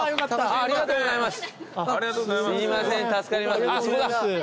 ありがとうございます。